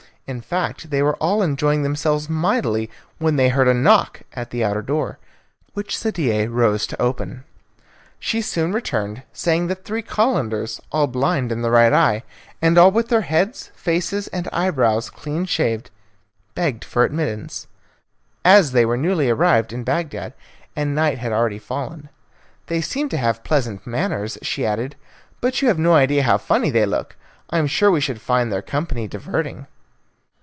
In fact, they were all enjoying themselves mightily when they heard a knock at the outer door, which Sadie rose to open. She soon returned saying that three Calenders, all blind in the right eye, and all with their heads, faces, and eyebrows clean shaved, begged for admittance, as they were newly arrived in Bagdad, and night had already fallen. "They seem to have pleasant manners," she added, "but you have no idea how funny they look. I am sure we should find their company diverting."